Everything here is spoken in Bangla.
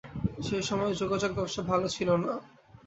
সেই সময় যোগাযোগ ব্যবসা ভালো ছিল না।